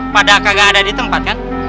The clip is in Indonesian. pada kagak ada di tempat kan